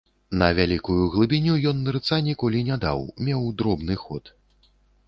На вялікую глыбіню ён нырца ніколі не даў, меў дробны ход.